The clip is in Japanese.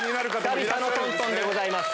久々のトントンでございます。